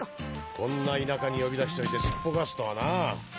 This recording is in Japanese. こんな田舎に呼び出しといてすっぽかすとはなぁ。